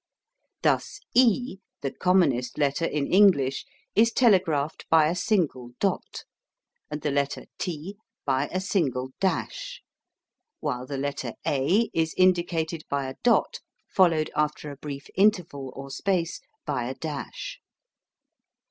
Thus e, the commonest letter in English, is telegraphed by a single "dot," and the letter t by a single "dash," while the letter a is indicated by a "dot" followed after a brief interval or "space" by a dash.